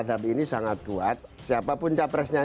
tapi ini sangat kuat siapapun capresnya